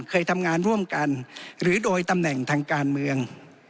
เคยทำงานร่วมกันหรือโดยตำแหน่งทางการเมือง